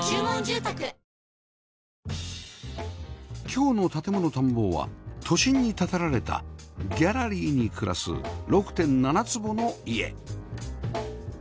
今日の『建もの探訪』は都心に建てられた“ギャラリーに暮らす ”６．７ 坪の家